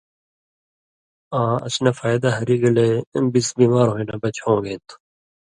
آں اسی نہ فائدہ ہری گلے بِس بیمار ہویں نہ بچ ہوݩگَیں تھو۔